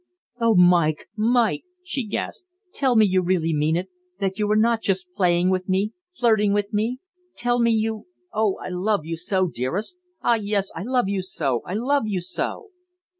"Oh, Mike! Mike!" she gasped, "tell me you really mean it that you are not just playing with me flirting with me tell me you ... oh, I love you so, dearest. Ah, yes. I love you so, I love you so!"